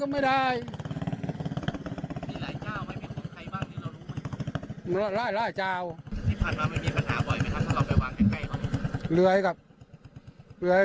ขนมัดอยู่นี่